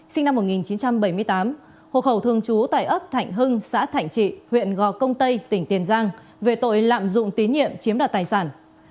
sinh năm một nghìn chín trăm bảy mươi tám hộ khẩu thương chú tại ấp thảnh hưng xã thảnh trị huyện gò công tây tỉnh tiền giang về tội lạm dụng tín nhiệm chiếm đạt tài sản